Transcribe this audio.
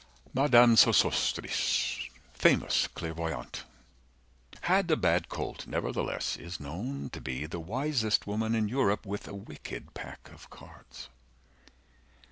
Madame Sosostris, famous clairvoyante, Had a bad cold, nevertheless Is known to be the wisest woman in Europe, 45 With a wicked pack of cards.